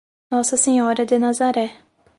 Nossa Senhora de Nazaré